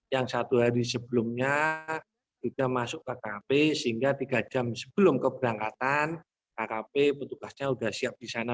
yang satu hari sebelumnya sudah masuk ke kkp sehingga tiga jam sebelum keberangkatan kkp petugasnya sudah siap di sana